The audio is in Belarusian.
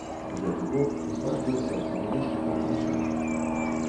Гэты бог узважвае сэрца нябожчыка на шалях.